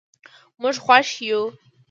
موږ خوښ یو.